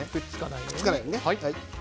くっつかないようにね。